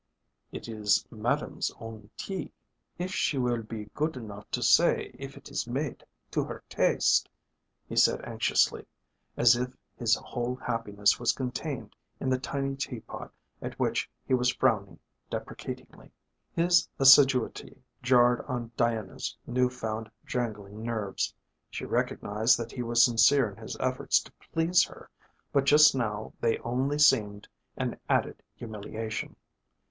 "It is Madame's own tea. If she will be good enough to say if it is made to her taste," he said anxiously, as if his whole happiness was contained in the tiny teapot at which he was frowning deprecatingly. His assiduity jarred on Diana's new found jangling nerves. She recognised that he was sincere in his efforts to please her, but just now they only seemed an added humiliation.